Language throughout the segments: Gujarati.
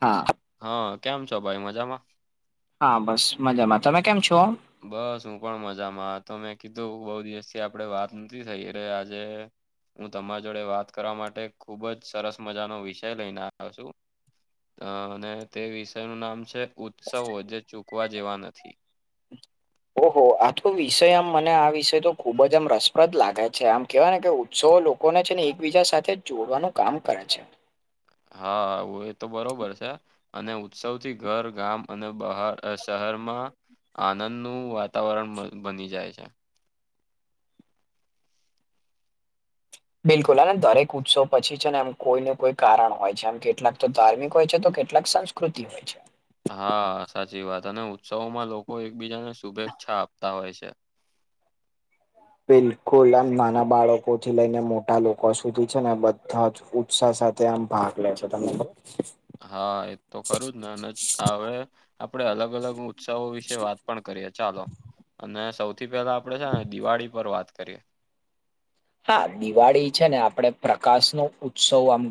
હા. હા કેમ છો ભાઈ મજામાં. હા બસ મજામાં તમે કેમ છો. બસ હું પણ મજામાં તો મેં કીધું બૌ દિવસથી આપડે વાત નથી થઈ અરે આજે હું તમારા જોડે વાત કરવા માટે ખુબ જ સરસ મજાનો વિષય લઈને આવ્યો છું. અ અને તે વિષયનું નામ છે ઉત્સવો જે ચૂકવા જેવા નથી. આ તો વિષય આમ મને આ વિષય તો ખુબ જ આમ રસપ્રદ લાગે છે આમ કેવાય ને કે સો લોકોને છે ને એકબીજા સાથે જોડવાનું કામ કરે છે. હા એ તો બરોબર છે. અને ઉત્સવથી ઘર ગામ અને બહાર શહેરમાં આનંદનું વાતાવરણ બની જાય છે. બિલકુલ હને દરેક ઉત્સવ પછી છે ને એમ કોઈ ને કોઈ કારણ હોય છે એમ કેટલાક. તો ધાર્મિક હોય છે તો કેટલાક સંસ્કૃતિ હોય છે. હા સાચી વાત અને ઉત્સવોમાં લોકો એકબીજાને શુભેચ્છા આપતા હોય છે. બિલકુલ આમ નાના બાળકો થી લઈને મોટા લોકો સુધી છે ને બધા જ. ઉત્સાહ સાથે આમ ભાગ લે છે તમને ખબર. હા એ તો ખરું જ ને અને હવે આપડે અલગ અલગ. ઉત્સવ વિશે વાત પણ કરીએ ચાલો અને સૌથી પહેલા આપડે છે ને દિવાળી પર વાત કરીએ. હા દિવાળી છે ને આપડે પ્રકાશ નો ઉત્સવ આમ.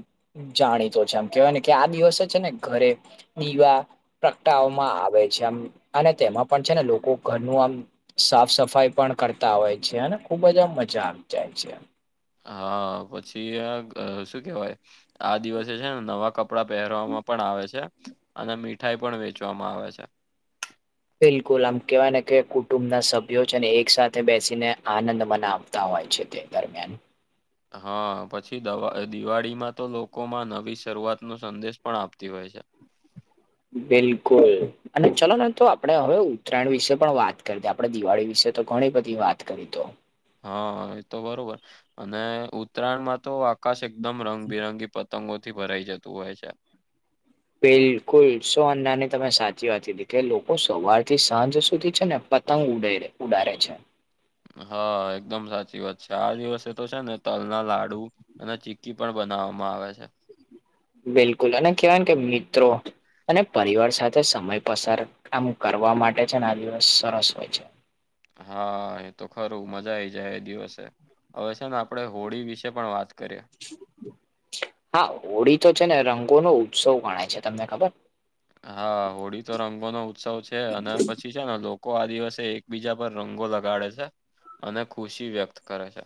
જાણીતો છે આમ કેવાય ને કે આ દિવસે છે ને ઘરે. દીવા પ્રગટાવવામાં આવે છે આમ અને તેમાં પણ છે ને લોકો ઘરનું આમ. સાફ સફાઈ પણ કરતા હોય છે અને ખુબ જ આમ મજા આવી જાય છે. હા પછી શું કેવાય આ દિવસે છે ને નવા કપ. પડાં પહેરવામાં પણ આવે છે અને મીઠાઈ પણ વેચવામાં આવે છે. બિલકુલ આમ કહેવાય ને કે કુટુંબ ના સભ્યો છે ને એક સાથે બેસીને આનંદ મનાવ. તા હોય છે તે દરમિયાન. હા પછી દવા દિવાળીમાં તો લોકો. લોકો માં નવી શરૂઆત નો સંદેશ પણ આપતી હોય છે. બિલકુલ. અને ચલો ને તો આપણે હવે ઉત્તરાયણ વિશે પણ વાત કરી દે આપણે દિવાળી વિશે તો ઘણી બધી વાત કરી તો. હા એ તો બરોબર અને ઉત્તરાયણમાં તો આકાશ એક. દમ રંગબિરંગી પતંગોથી ભરાઈ જતું હોય છે. બિલકુલ સો નાની તમે સાચી વાત કીધી કે લોકો સવાર થી સાંજ સુધી છે ને પત્. તંગ ઉડ ઉડારે છે. હા એકદમ સાચી વાત છે આ દિવસે તો છે ને તલના લાડુ. અને ચી્કી પણ બનાવવામાં આવે છે. બિલકુલ અને કહેવાય ને કે મિત્રો. અને પરિવાર સાથે સમય પસાર આમ કરવા માટે છે ને આ દિવસ સરસ હોય છે. હા એ તો ખરું મજા આઈ જાય એ દિવસે. હવે છે ને આપણે હોળી વિશે પણ વાત કરીએ. હા હોળી તો છે ને રંગો નો ઉત્સવ ગણાય છે તમને ખબર. હા હોળી તો રંગો નો ઉત્સવ છે અને પછી છે ને લોકો આ દિવસે એક. બીજા પર રંગો લગાડે છે અને ખુશી વ્યક્ત કરે છે.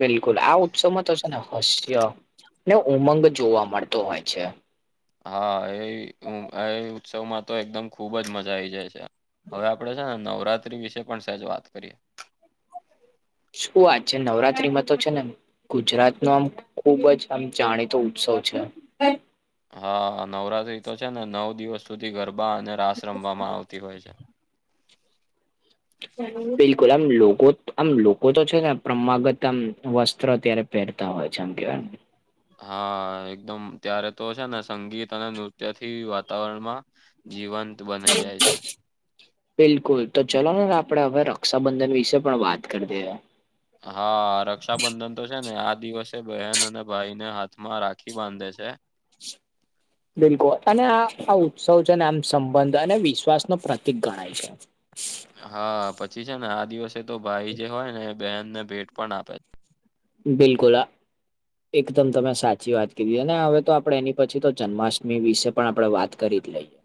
બિલકુલ આ ઉત્સવમાં તો છે ને હાસ્ય ને ઉમંગ જોવા મળતો હોય છે. હા એ એ ઉત્સવમાં તો એકદમ ખુબ જ મજા આઈ જાય છે. હવે આપણેે છે ને નવરાત્રી વિશે પણ સહેજ વાત કરીએ. શું વાત છે નવરાત્રીમાં તો છે ને. ગુજરાત નો આમ ખુબ જ આમ જાણીતો ઉત્સવ છે. હા નવરાત્રી તો છે ને નવ દિવસ સુધી ગરબા અને રાસ રમવામાં આવતી હોય છે. બિલકુલ આમ લોકો આમ લોકો તો છે ને પ્રમાગત આમ વસ્ત્ર ત્યારે. પહેરતા હોય છે આમ કેવા. હા એકદમ ત્યારે તો છે ને સંગીત અને નૃત્ય થી વાતાવરણમાં. જીવંત બની જાય છે. બિલકુલ તો ચલો ને આપણે હવે રક્ષાબંધન વિશે પણ વાત કરી દઈએ. હા રક્ષાબંધન. તો છે ને આ દિવસે બહેન અને ભાઈને હાથમાં રાખી બાંધે છે. બિલકુલ અને આ આ ઉત્સવ છે અને આમ સંબંધ અને વિશ્વાસ નો પ્રતિક ગણાય છે. હા પછી છે ને આ દિવસે તો ભાઈ જે હોય ને એ બહેનને ભેટ પણ આપે છે. બિલકુલ. એકદમ તમે સાચી વાત કીધી છે ને હવે તો આપડે એની પછી તો જન્માષ્ટમી વિશે પણ આપણે વાત. કરી જ લઈએ.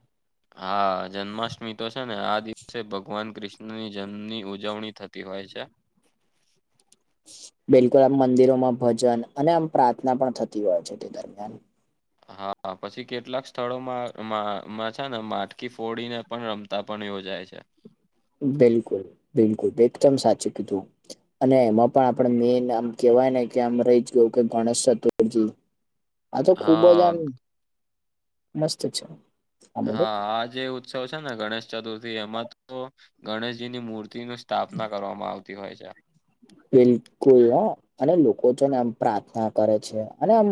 હા જન્માષ્ટમી તો છે, ને આ દિવસે ભગવાન કૃષ્ણની જન્મની ઉજવણી થતી હોય છે. બિલકુલ આમ મંદિરોમાં ભજન અને આમ પ્રાર્થના પણ થતી હોય છે, તે દરમિયાન હા પછી કેટલાક સ્થળોમાં માં છે, ને માટકી ફોડીને પણ રમતા પણ યોજાય છે. બિલકુલ બિલકુલ એકદમ સાચું કીધું અને એમાં પણ આપડે મેન આમ કેવાય ને કે આમ રહી ગયું કે ગણેશ ચતુર્થી [inaudible] આ તો ખુબ જ હા આમ મસ્ત છે. આ બધું હા આ જે ઉત્સવ છે, ને ગણેશ ચતુર્થી એમાં તો ગણેશજીની મૂ તિ નુ સ્થાપના કરવામાં આવતી હોય છે. બિલકુલ અને લોકો તો ને એમ પ્રાર્થના કરે છે, અને આમ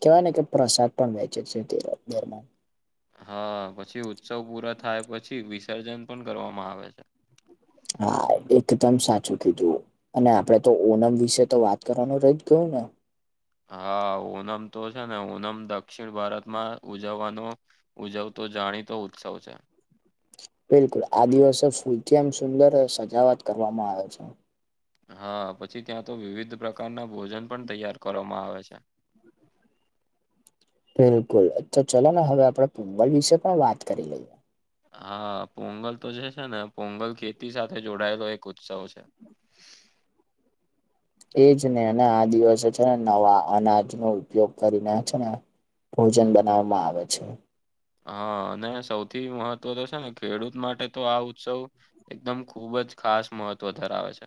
કેવાય ને કે પ્રસાદ પણ વેચે છે, તેર [unintelligible] હ પછી ઉત્સવ પૂરા થાય પછી વિસર્જન પણ કરવામાં આવે છે. હા એકદમ સાચું કીધું અને આપડે તો ઓનમ વિશે તો વાત કરવાનું રહી ગયું ને હા ઓનમ તો છે, ને ઓનમ દક્ષિણ ભારતમાં ઉજવવાનો ઉજવતો જાણી તો ઉત્સવ છે. બિલકુલ આ દિવસે ફૂલથી આમ સુંદર સજાવાટ કરવામાં આવે છે. હ પછી ત્યાં તો વિવિધ પ્રકારના ભોજન પણ તૈયાર કરવામાં આવે છે. બિલકુલ તો ચલો ને હવે આપણે પોગલ વિશે પણ વાત કરી લઈએ હા પોંગલ તો જે છે, ને પોંગલ ખેતી સાથે જોડાયેલો એક ઉત્સવ છે. એજ ને અને આ દિવસે છે, ને નવા અનાજનો ઉપયોગ કરીને છે, ને ભોજન બનાવવામાં આવે છે. હ અને સૌથી મહત્વ તો છે, ને ખેડૂત માટે તો આ ઉત્સવ એકદમ ખુબ જ ખાસ મહત્વ ધરાવે છે.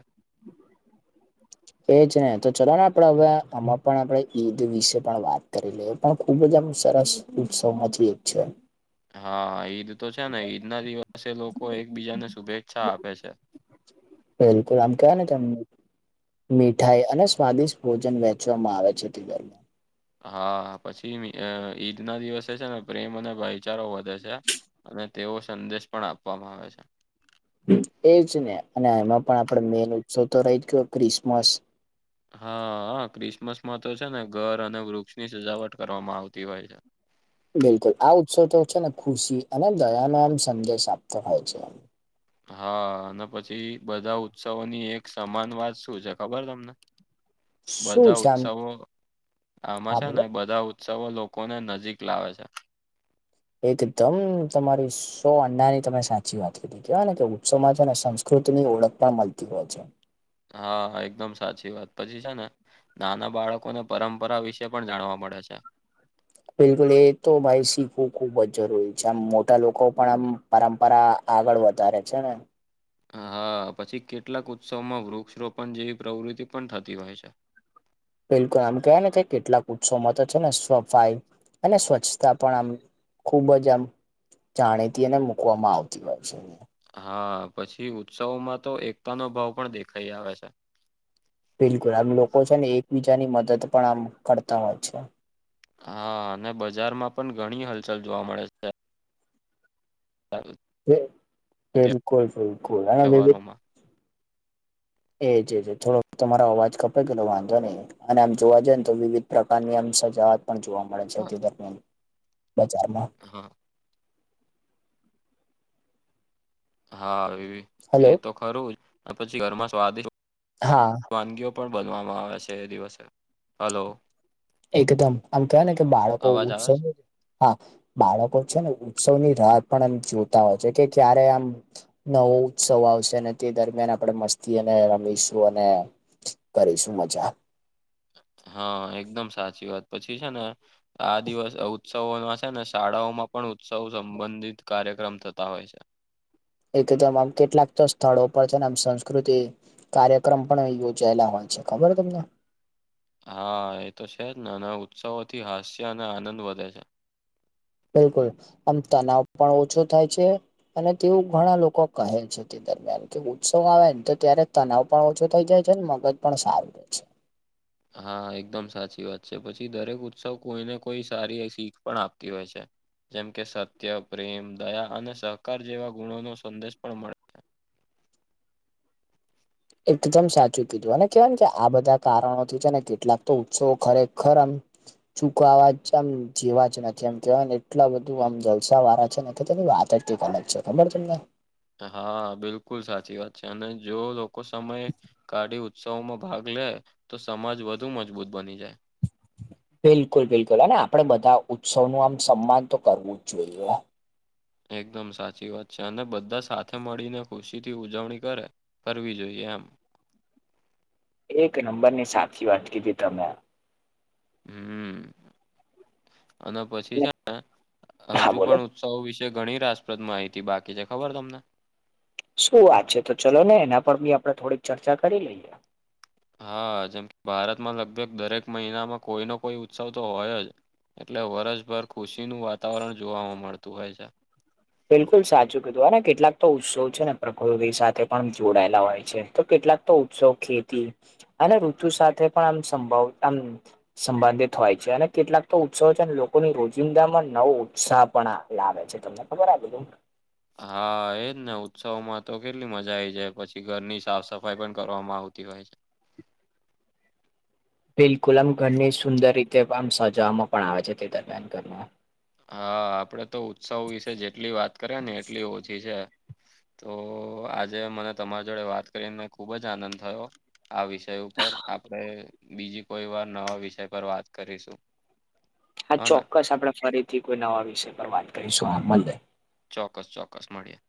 એ જ ને તો ચલો ને આપડે અવે આમાં પણ આપણે ઈદ વિશે પણ વાત કરી લઈએ પણ ખુબ જ આમ સરસ ઉત્સવ માટે એક છે. હ ઈદ તો છે, ને ઈદ ના દિવસે લોકો એકબીજાને શુભેચ્છા આપે છે. બિલકુલ આમ [unintelligible] મીઠાઈ અને સ્વાદિષ્ટ ભોજન વેચવામાં આવે છે, [unintelligible] હા પછી ઈદ ના દિવસે છે, ને પ્રેમ અને ભાઈચારો વધે છે. અને તેવો સંદેશ પણ આપવામાં આવે છે. એજ ને અને એમાં પણ આપડે મેન ઉત્સવ તો રહી ગયો ક્રિસમસ હ હ ક્રિસમસમાં તો છે, ને ઘર અને વૃક્ષની સજાવટ કરવામાં આવતી હોય છે. બિલકુલ આ ઉત્સવ તો છે, ને ખુશી અને દયાનો આમ સંદેશ આપતો હોય છે. હ અને પછી બધા ઉત્સવોની એક સમાન વાત શું છે ખબર તમને? શું બધા છે આમ ઉત્સવો આમાં હા છે, બોલો ને બધા ઉત્સવ લોકોને નજીક લાવે છે. એકદમ તમારી સો અન્નાની તમે સાચી વાત કીધી કેવાય ને કે ઉત્સવમાં [unintelligible] કૃતની ઓળખ પણ મલતી હોય છે. હ એકદમ સાચી વાત પછી છે, ને નાના બાળકોને પરંપરા વિશે પણ જાણવા મળે છે‌. બિલકુલ એ તો ભાઈ શીખવું ખૂબ જ જરૂરી છે, આમ મોટા લોકો પણ આમ પરંપરા આગળ વધારે છે, ને હ પછી કેટલાક ઉત્સવમાં વૃક્ષરોપણ જેવી પ્રવૃત્તિ પણ થતી હોય છે. બિલકુલ આમ કેવાયને તો કેટલાક ઉત્સવોમાં તો છે, ને સફાઈ અને સ્વચ્છતા પણ આમ ખુબ જ આમ જાણે તેને મૂકવામાં આવતી હોય છે. હા પછી ઉત્સવોમાં તો એકતાનો ભાવ પણ દેખાઈ આવે છે. બિલકુલ આમ લોકો છે, ને એકબીજાની મદદ પણ આમ કરતા હોય છે. હા અને બજારમાં પણ ઘણી હલચલ જોવા મળે છે. [unintelligible] [inaudible] બિલકુલ બિલકુલ અને તહેવારોમાં [unintelligible] થોડો તમારો અવાજ કપે કેટલો વાંધો નહીં. અને આમ જોવા જઈએ ને તો વિવિધ પ્રકારની આમ સજા પણ જોવા મળે છે હા તે દરમિયાન [inaudible] બજારમાં હા. હા એવી. એ હલો! તો ખરું હોય આ પછી ઘર માં સ્વાદિષ્ટ હા. વાનગીઓ પણ બનવામાં આવે છે એ દિવસે હલો? એકદમ આમ કવાય ને કે બાળકો અવાજ આવે છે હા બાળકો છે ને ઉત્સવની રાત પણ એમ જોતા હોય છે કે ક્યારે આમ નવો ઉત્સવ આવશે અને તે દરમિયાન આપણે મસ્તી અને રમીશું અને કરીશું મજા. હા એકદમ સાચી વાત પછી છે ને આ દિવસ ઉત્સવોમાં છે ને શાળાઓમાં પણ ઉત્સવ સંબંધિત કાર્યક્રમ થતા હોય છે. એકદમ આમ કેટલાક તો સ્થળો પર છે ને આમ સંસ્કૃતિ કાર્યક્રમ પણ યોજાયેલા હોય છે. ખબર તમને? હા એ તો છે જ ને અને ઉત્સવોથી હાસ્ય અને આનંદ વધે છે. બિલકુલ આમ તનાવ પણ ઓછો થાય છે અને તેવું ઘણા લોકો કહે છે. દરમિયાન કે ઉત્સવ આવે તો ત્યારે તનાવ પણ ઓછો થઈ જાય છે ને મગજ પણ સારું રેય છે. હા એકદમ સાચી વાત છે, પછી દરેક ઉત્સવ કોઈને કોઈ સારી શીખ પણ આપતી હોય છે. જેમ કે સત્ય, પ્રેમ, દયા અને સહકાર જેવા ગુણો નો સંદેશ પણ મળે. એકદમ સાચું કીધું અને કેહેવાય કે આ બધા કારણોથી છે, ને કેટલાક તો ઉત્સવ ખરેખર આમ. ચૂક આવાજ છે, આમ જેવા જ નથી એમ કેવાય ને એટલા બધું આમ જલસા વાળા છે, નથી વાત જ કોલેજ છે, ખબર છે, મને હા બિલકુલ સાચી વાત છે, અને જો લોકો સમય કાઢી ઉત્સવોમાં ભાગલે તો સમાજ વધુ મજબૂત બની જાય. બિલકુલ બિલકુલ અને આપડે બધા ઉત્સવ નું આમ સન્માન તો કરવું જ જોઈએ, એકદમ સાચી વાત છે, અને બધા સાથે મળીને ખુશીથી ઉજવણી કરે. કરવી જોઈએ, એમ એક નંબરની સાચી વાત કીધી તમે, હું [inaudible] અને પછી છે, હા હજુ બોલો પણ. સૌ વિશે ઘણી રાસપ્રદ માહિતી બાકી છે, ખબર તમને શું વાત છે, તો ચલોને એના પર થી આપડે થોડીક ચર્ચા કરી લઈએ. હા, જેમ કે ભારતમાં લગભગ દરેક મહિનામાં કોઈનો કોઈ ઉત્સવ તો હોયજ. એટલે વરસભર ખુશીનું વાતાવરણ જોવામાં મળતું હોય છે. બિલકુલ સાચું કીધું હોને કેટલાક તો ઉત્સવ છે, ને પ્રકૃતિ સાથે પણ જોડાયેલા હોય છે, તો કેટલાક ઉત્સવ ખેતી અને ઋતુ સાથે પણ આમ સંભવ આમ, સંબંધિત હોય છે, અને કેટલાક તો ઉત્સવો છે, લોકોની રોજિંદામાં નવો ઉત્સાહ પણ. લાવે છે, તમને ખબર આ બધું. હા એજને ઉત્સવમાંતો કેટલી મજા આઈ જાય પછી ઘરની સાફ સફાઈ પણ કરવામાં આવતી હોય છે. બિલકુલ આમ ઘરની સુંદર રીતે આમ સજવામાં પણ આવે છે, તે દરમિયાન ઘરમાં હા આપડે તો ઉત્સવ વિશે જેટલી વાત કરીએને એટલી ઓછી છે. તો આજે મને તમારા જોડે વાત કરીને ખૂબજ આનંદ થયો. આ વિષય ઉપર આપણેે બીજી કોઈવાર નવા વિષય પર વાત કરીશું. [unintelligible] [inaudible] હા, ચોક્કસ આપણે ફરીથી કોઈ નવા વિષય પર વાત કરીશું આમ. ચોક્કસ ચોક્કસ મળીએે.